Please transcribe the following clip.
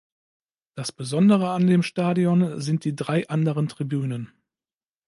Das Besondere an dem Stadion sind die drei anderen Tribünen.